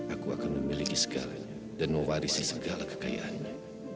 aku akan memiliki segalanya dan mewarisi segala kekayaannya